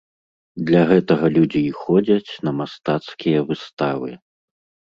Для гэтага людзі і ходзяць на мастацкія выставы.